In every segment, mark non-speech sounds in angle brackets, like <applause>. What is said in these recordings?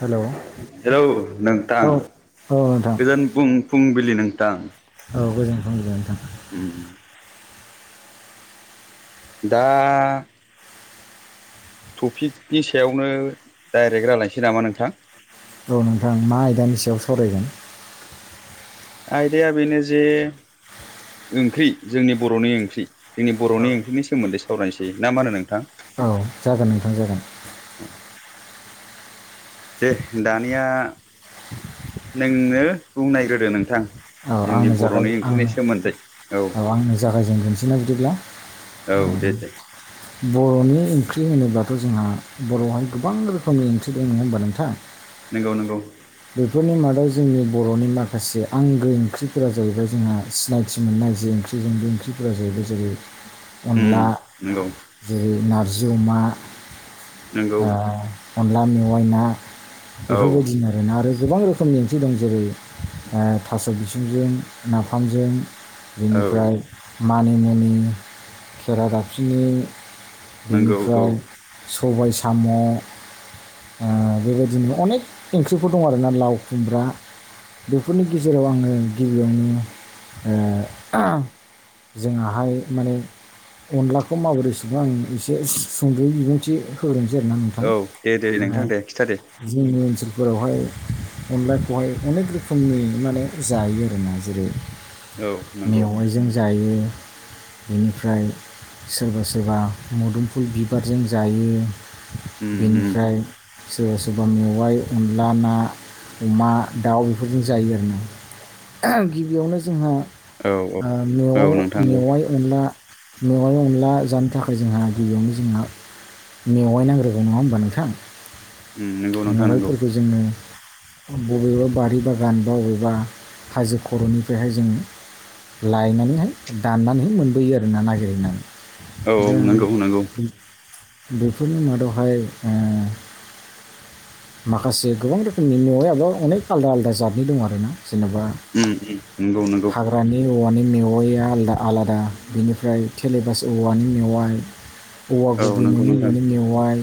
Hello hello नोंथां औ औ नोंथां गोजोन बुं फुं बिलि नोंतां। औ गोजोन्थों गोजोन्थों। दा थफिकनि सायावनो दाइरेक रायलायनोसै नामा नोंथां? र' नोंथां मा आयदानि सायाव सावरायगोन। आयदाया बेनो जे ओंख्रि जोंनि बर'नि ओंख्रि। जोंनि बर'नि ओंख्रिनि सोमोन्दै सावरायनोसै ना मा होन नों औ जागोन नोंथां जागोन। दे दानिया नोंनो बुंनायग्रोदो नोंथां। औ जोंनि आंनो बर'नि जागाय आं ओंख्रिनि सोमोन्दै औ आंनो जागायजेनगोनसैना बिदिब्ला औ दे दे। बर'नि ओंख्रि होनोब्लाथ' जोंहा बर'हाय गोबां रोखोमनि ओंख्रि दं होनोमबा नोंथां। नंगौ नंगौ। बेफोरनि मादाव जोंनि बर'नि माखासे आं गो ओंख्रिफोरा जाहैबाय जोंहा सिनायथि मोननाय जे ओंख्रि जों बे ओंख्रिफोरा जाहैबाय जेरै उम अनला नंगौ जेरै नारजि अमा नंगौ अनला मेवाइ ना औ बेफोरबायदिनो आरोना आरो गोबां रोखोमनि ओंख्रि दं जेरै ओ थास' बिसंजों नाफामजों औ बेनिफ्राय मानि मुनि खेरा दाफिनि नंगौ औ बेनिफ्राय सबाय साम' बेबायदिनो अनेक ओंख्रिफोर दं आरोना लाव खुमब्रा बेफोरनि गेजेराव आङो गिबियावनो ओ आम जोंहा हाय माने अनलाखौ माबोरै सोङो आं एसे सुंद' बिबुंथि होग्रो जिरना नोंथां औ दे दे दा नोंथां दे खिथादे जोंनि ओनसोलफोरावहाय अनलाखौहाय अनेक रोखोमनि माने जायो आरो ना जेरै औ नंगौ मेवाइजों जायो बेनिफ्राय सोरबा सोरबा मुदुमफुल बिबारजों जायो उम उम बेनिफ्राय सोरबा सोरबा मेवाइ अनला ना अमा दाउ बेफोरजों जायो आरो ओहम गिबियावनो जोंहा औ औ मेवाय औ नोंथांगौ मेवाय अनला मेवाय अनला जानो थाखाय जोंहा गबियावनो जोंहा मेवाय नांग्रोगोन नङा होमबा नोंथां उम नंगौ नोंथां नंगौ मेवाइफोरखौ जोंनो बबेबा बारि बागान बा बबेबा हाजो खर'निफ्रायहाय जों लायनानैहाय दाननानैहाय मोनबोयो आरोना नागिरहैनानै औ दा नंगौ नंगौ। बेफोरनि मादावहाय ओ माखासे गोबां रोखोमनि मेवायाबो अनेक आलदा आलादा जादनि दं आरो ना जेनेबा उम उम नंगौ नंगौ हाग्रानि औवानि मेवाइया आलदा आलादा बेनिफ्राय थेलेबास औवानि मेवाइ औवा औ नंगौ गुबैनायनि नोंथां मुवानि मेवाइ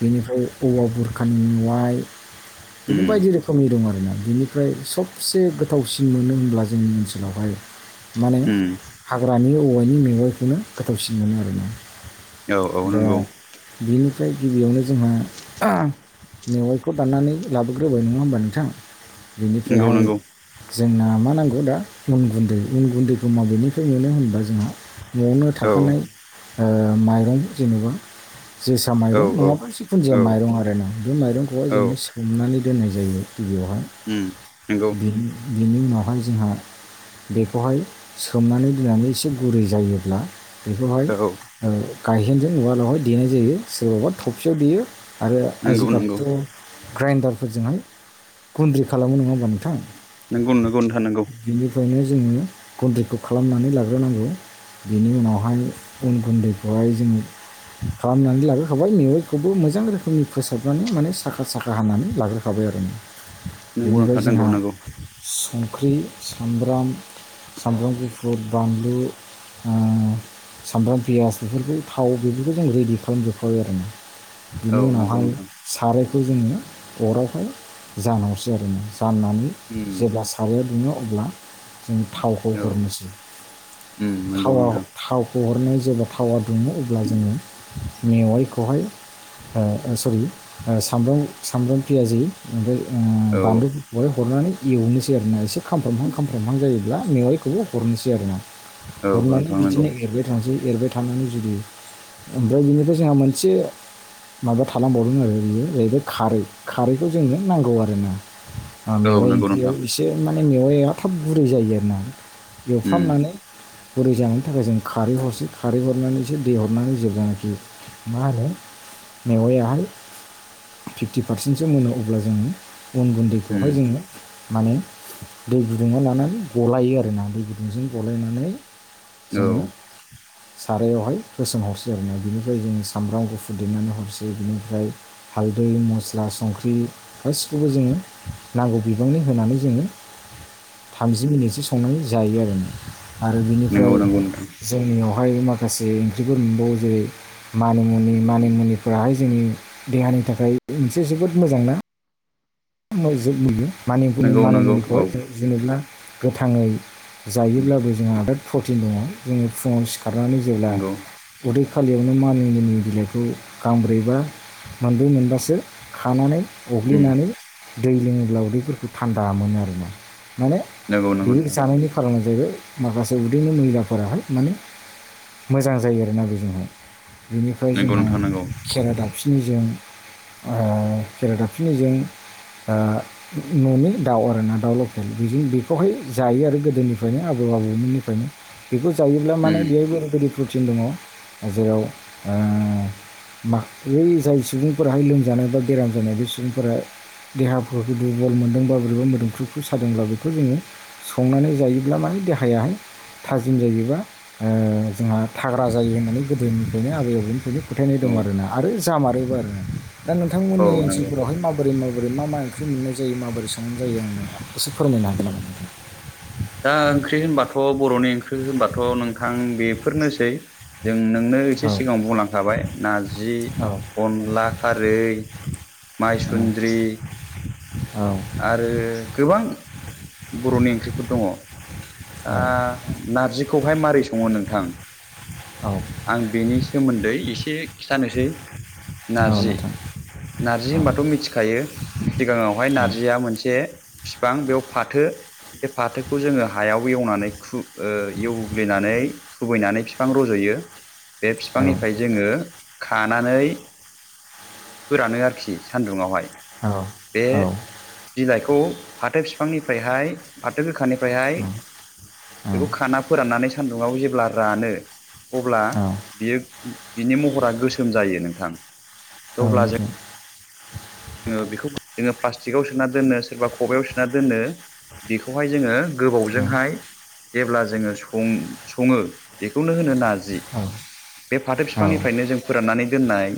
बेनिफ्राय औवा बुरखानि मेवाय बिदिनो उम बायदि रोखोमनि दं आरो ना बिनिफ्राय सबसे गोथावसिन मोनो होनब्ला जोंनि ओनसोलावहाय माने उम हाग्रानि औवानि मेवाइखौनो गोथावसिन मोनो आरो ना औ औ नंगौ ओमफ्राय गिबियावनो जोंहा मेवाइखौ दाननानै लाबोग्रोबाय नङा होमबा नोंथां नंगौ बिनिफ्रायहाय नंगौ जोंना मा नांगौ दा उन गुन्दै उन गुन्दैखौ माबेनिफ्राय मोनो होनबा जोंहा न'आवनो औ थाखानाय माइरं जेनेबा जोसा औ माइरं औ नङाबा जिखुनुजाया औ माइरं आरो ना बे माइरंखौहाय औ जोंङो सोमनानै दोननाय जायो गिबियावहाय उम नंगौ बेनि उनावहाय जोंहा बेखौहाय सोमनानै दोननानै एसे गुरै जायोब्ला बेखौहाय औ गायहेनजों उवालावहाय देनाय जायो सोरबाबा थबसियाव देयो आरो नंगौ नंगौ आजिखालिथ' ग्राइन्दारफोरजोंहाय गुन्द्रि खालामो नङा होमबा नोंथां नंगौ नोंगौ नोंथां नोंगौ फ्रायनो जोङो गुन्दैखौ खालामनानै लाग्रोनांगौ बेनि उनावहाय उन गुन्दैखौहाय जोङो खालामनानै लाबोखाबाय नोखौबो मोजां रोखोमनि फोसाबनानै माने साखा साखा हानानै लाग्रोखाबाय आरो नंगौ बेनिफ्राय नोंथां नंगौ जोंहा नंगौ फुख्रि सामब्राम सामब्राम गुफुर बानलु सामब्राम पियास बेफोरखौ थाव बेफोरखौ जों रेडि खालामजोबखाबाय आरो ना औ बिनि नंगौ उनावहाय नोंथां सारायखौ जोङो अरावहाय जानहरसै आरोना राननानै उम जेब्ला सारायाव दुङो अब्ला जों थावखौ औ हरनोसै उम नंगौ थाव नोंथां थावखौ जेब्ला थावा दुङो अब्ला जोङो मेवाइखौहाय सरि सामब्राम सामब्राम पियाजि ओमफ्राय औ बानलुखौहाय हरनानै एवनोसै आरोना एसे खामफ्रामहां खामफ्रामहां जायोब्ला मेवाइखौबो हरनोसै आरोना औ हरनानै नोंथां नंगौ बिदिनो एरबाय थांसै एरबाय थानानै जुरयो ओमफ्राय बिनिफ्राय जोंहा मोनसे माबा थालांबावदों आरो बियो जाहैबाय खारै खारैखौ जोंनो नांगौ आरोना औ मेवाइ नंगौ ओंख्रियाव नोंथां एसे माने मेवआ थाब गुरै जायो आरो ना उम एवफ्रामनानै बुरै जानायनि थाखाय जों खारै हरसै खारै हरनानैसो दै हरनानै जोब्लानाखि मा होनो मेवायाहाय फिफ्टि पारसेन्टसो मोनो अब्ला जों गन उम गुन्दैखौहाय जोंनो माने दै गुदुाव लानानै गलायो आरोना दै गुदुंजों गलायनानै जोङो औ सारायावहाय होसोमहरसै आरो ना बिनिफ्राय जोंङो सामब्राम गुफुर देनानै हरसै बिनिफ्राय हालदै मस्ला संख्रि गासिखौबो जोङो नांगौ बिबांनि होनानै जोङो थामजि मिनिटसो संनानै जायो आरो न आरो बेनिफ्राय नंगौ नंगौ नोंथां जोंनियाव बेायबो माखासे ओंख्रिफोर मोनबावो जेरै मानिमुनि मानिमुनि फोराहाय जोंनि देहानि थाखाय मोनसे जोबोद मोजांना गो जोङो नुयो मानिनि नंगौ मानि नंगौ औ मुलिखौहाय जेनेबा गोथाङै जायोब्लाबो जोंहा आदाद प्रटिन दङ जोङो फुङाव सिखारनानै जेब्ला नंगौ उदै आ खालियावनो मानि मुनि बिलाइखौ गांब्रैबा मोनब्रै मोनबासो खानानै अग्लिनानै दै लोङोब्लाावदैफोरखौ थान्दामोन आरो ना माने नंगौ नंगौ बेबो नोंथां जानायनि खारनाव जाहैबाय माखासे उदैनि मैलाफोराहाय माने मोजां जायो आरोना बेजोंहाय बेनिफ्राय नंगौ जोंहा नोंथां नंगौ खेरा दाब फिनिजों खेरा दाफिनिजों न'नि दाउ आरोना दाउ लकेल बि बेखौहाय जायो आरो गोदोनिफ्रायनो आबौ निफ्रायनो बेखौ जायोब्ला माने बेहाय प्रुटिन दङ जेराव ओ माखै जाय सुबुंफोराहाय लोमजानाय बा बेराम जानाय बे सुबुंफोरा देहाफोरखौ दुरबल मोनदोंबा बोरैबा मोदोमफ्रुखौ सादोंब्ला बेखौ जोङो संनानै जायोब्ला माने देहाया हाय थाजिम जायोबा जोंहा थाग्रा जायो होननानै गोदोनिफ्रायनो आबै आबौनिफ्रायनो फोथायनाय दं औ आरोना आरो जामारोबो आरो दा औ नोंथांमोननि नंगौ ओनसोलफोरावहाय माबोरै मा? बोरै मा मा ओंख्रि मोननाय जायो माबोरै संनाय जायो आंनो इसे फोरमायनो हागोन नामा? दा ओंख्रि होनबाथ' बर'नि ओंख्रि होनबाथ' नोंथां बेफोरनोसै जों नोंनो एसे औ सिगाङाव बुंलांखाबाय नारजि औ अनला खारै माइसुन्द्रि औ आरो गोबां बर'नि ओंख्रिफोर दङ। दा नारजिखौहाय मारै सङो नोंथां आं बेनि सोमोन्दै एसे खिथानोसै। औ नारजि नोंथां। नार्जि औ होनबाथ' मिथिखायो सिगाङावहाय औ नार्जिया मोनसे बिफां बेयाव फाथो बे फाथोखौ जोङो हायाव एवनानै खु ओ एवग्लिनानै खुबैनानै बिफां रज'यो। बे औ बिफांनिफ्राय जोङो खानानै फोरानो आरोखि सान्दुङावहाय औ बे औ बिलाइखौ फाथो बिफांनिफ्रायहाय फाथो गोखानिफ्रायहाय बेखौ खाना फोराननानै सान्दुङाव जेब्ला रानो। अब्ला बियो बिनि महरा गोसोम जायो नोंथां औ अब्ला जों नोंथां जोङो बेखौ जोङो प्लास्टिकआव सोना दोनो सोरबा खबयाव सोना दोनो। बेखौहाय जोङो गोबावजोंहाय जेब्ला जोङो सं सङो बेखौनो होनो नारजि। औ बे फाथो औ बिफांनिफ्रायनो औ जों फोराननानै दोननाय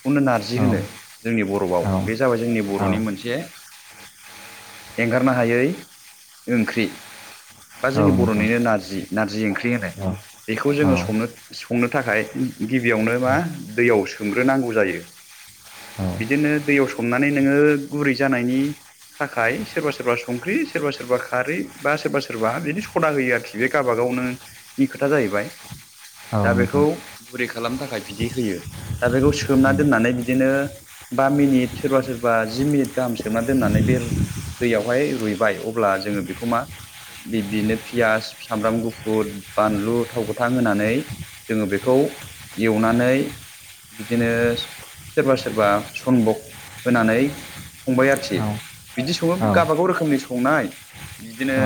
खौनो नारजि औ होनो नोंथां जोंनि बर'आव। बे औ जाबाय जोंनि औ औ बर'नि मोनसे एंगारनो हायै ओंख्रि बा जोंनि बर'निनो नारजि नारजि ओंख्रि होनो। बेखौ जोङो संनो संनो थाखाय गिबियावनो मा दैयाव सोमग्रोनांगौ जायो। बिदिनो दैयाव सोमनानै नोङो गुरै जानायनि थाखाय सोरबा सोरबा संख्रि सोरबा सोरबा खारै बा सोरबा सोरबा बिदिनो सना होयो आरोखि बे गाबा गाव गैनो खोथा जाहैबाय औ दा नोंथां बेखौ गुरै खालामनो थाखाय बिथि होयो दा बेखौ सोमना दोननानै बिदिनो बा मिनिट सोरबा सोरबा जि मिनिट गाहाम सोमना दोन्नानै बे दैयावहाय रुइबाय अब्ला जोङो बेखौ मा? बिबदिनो पियास सामब्राम गुफुर बानलु थाव गोथां होनानै जोङो बेखौ एवनानै बिदिनो सोरबा सोरबा सनबक होनानै संबाय आरोखि औ। बिदि सङो औ गावबागाव रोखोमनि संनाय औ नोंथां औ नोंथां औ नोंथां औ नोंथां औ नोंथां औ बिदिनो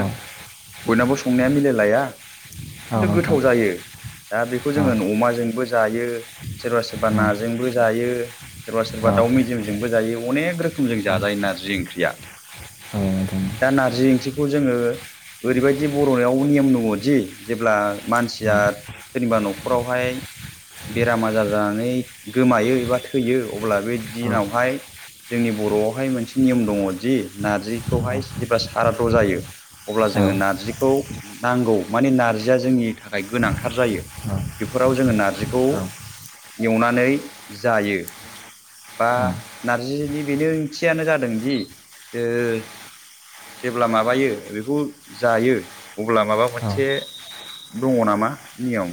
बयनावो संनाया मिलायलाया किन्तु गोथाव जायो। दा बेखौ जोङो नमाजोंबो जायो सोरबा सोरबा नाजोंबो जायो सोरबा सोरा सोरबा दाउ मेजेमजोंबो जायो अनेक रोखोमजों जाजायो नारजि ओंख्रिया दा नारजि ओंख्रिखौ जोङो। ओरैबायदि बर'नायाव नेम दङदि जेब्ला मानसिया सोरनिबा न'खरावहाय बेराम आजार जानानै गोमायो एबा थैयो अब्ला बे नोंथां दिनाव हाय जोंनि बर'आवहाय मोनसे नियम दङदि नारजिखौहाय जेब्ला साराद' जायो। अब्ला जोङो नार्जिखौ नांगौ माने नारजिया जोंनि थाखाय गोनांथार जायो। बेफोराव जोङो नारजिखौ एवनानै जायो। बा नारजिनि बेनो ओंथियानो जादोंदि ओ जेब्ला माबायो बेखौ जायो अब्ला माबा मोनसे दङ नामा नियम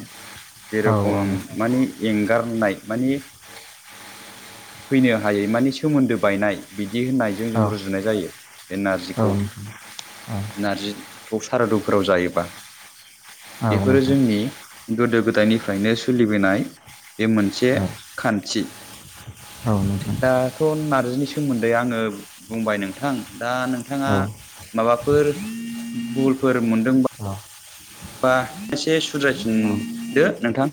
जेरखम माने एंगारनाय माने फैनो हायै मानि सोमोन्दो बायनाय बिदि होननायजों जों रुजुनाय जायो बे नारजिखौ औ नारजिखौ सारादुफोराव जायोबा बेफोरो जोंनि गोदो गोदायनिफ्रायनो सोलिबोनाय बे मोनसे खान्थि। दाथ' ना जिनि सोमोन्दै आङो बुंबाय नोंथां दा नोंथाङा माबाफोर भुलफोर मोनदोंबा औ होमबा एसे औ सुद्रायफिनदो नोंथां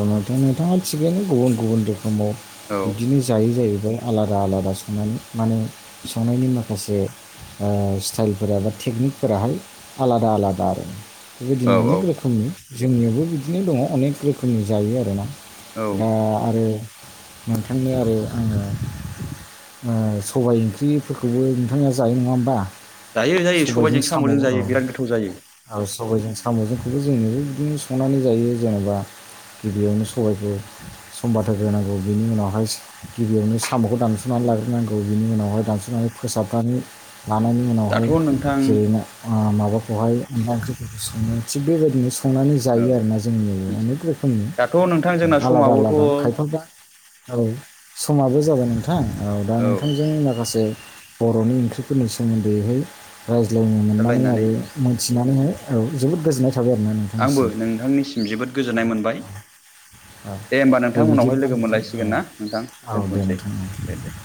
खारथ' नोंथाङा थिगैनो गुबुन गुबुन रोखोमाव औ बिदिनो जायो जाहैबाय आलादा आलादा संनानै माने संनायनि माखासे ओ स्टाइलफोरा बा टेकनिकेलफोराहाय आलादा आलादा आरो औ बेबायदिनो औ अनेक रोखोमनि जोंनियावबो बिदिनो दङ अनेक रोखोमनि जायो आरोना औ दा आरो नोंथांनो आरो आङो ओ सबाय ओंख्रिफोरखौबो नोंथाङा जायो नङा होमबा? जायो जायो सबायजों साम' साम'जों जायो औ बिराद गोथाव जायो आरो सबायजों साम'जोंखौबो जोंनोबो बिदिनो संनानै जायो जेनेबा गिबियावनो सबायफोर समबार होग्रोनांगौ बिनि उनावहाय गिबियावनो साम'खौ दानस'नानै लाग्रोनांगौ बिनि उनावहाय दानस'नानै फोसाबनानै लानायनि उनावहाय दाथ' नोंथां जेरैनो माबा खौहाय अनला ओंख्रिफोरखौ सङो थिग बेबायदिनो संनानै जायो औ आरोना जोंनि अनेक दाथ' रोखोमनि नोंथां जोंना आलादा समाबोथ' आलादा औ खायफाफ्रा औ समाबो जाबाय नोंथां औ दा नोंथांजों माखासे बर'नि ओंख्रिफोरनि सोमोन्दैहाय रायज्लायनो मोननानै रायलायनानै आरो मोनथिनानैहाय औ जोबोद गोजोननाय थाबाय आरोना आंबो नोंथांनिसिम नोंथांनिसिम जोबोद गोजोननाय मोनबाय। दे होमबा नोंथां उनावहाय बिदिब्ला लोगो नोंथां औ मोनलायसिगोन ना नोंथां औ दे दोनथ'सै नोंथां औ दे दे <inaudible>